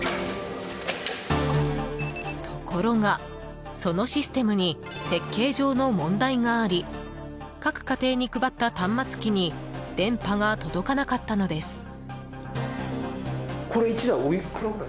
ところが、そのシステムに設計上の問題があり各家庭に配った端末機に電波が届かなかったのです。